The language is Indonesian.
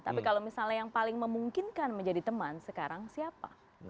tapi kalau misalnya yang paling memungkinkan menjadi teman sekarang siapa